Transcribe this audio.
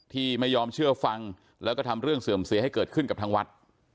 ที่ไม่ยอมเชื่อฟังแล้วก็ทำเรื่องเสื่อมเสียให้เกิดขึ้นกับทางวัด